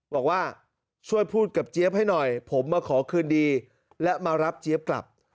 บอกว่าช่วยพูดกับเจี๊ยบให้หน่อยผมมาขอคืนดีและมารับเจี๊ยบกลับ